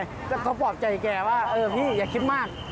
แต่เขาก็ปลอบใจแกว่าพี่อย่าคิดมาก